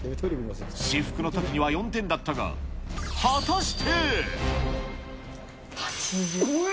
私服のときには４点だったが、果たして。